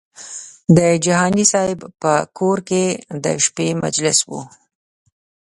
د جهاني صاحب په کور کې د شپې مجلس و.